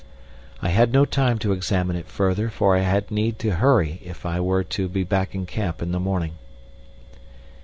I had no time to examine it further for I had need to hurry if I were to be back in camp in the morning.